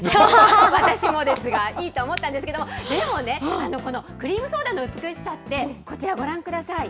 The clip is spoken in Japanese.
私もですが、いいと思ったんですけども、でもね、このクリームソーダの美しさって、こちらご覧ください。